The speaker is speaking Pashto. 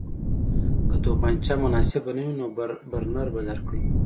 که توپانچه مناسبه نه وي نو برنر به درکړم